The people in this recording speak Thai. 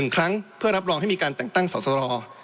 ๑ครั้งเพื่อรับรองให้มีการแต่งตั้งสอสร